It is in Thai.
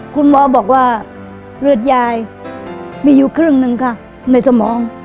คุณหมอบอกว่าเลือดยายมีอยู่ครึ่งหนึ่งค่ะในสมอง